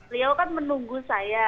beliau kan menunggu saya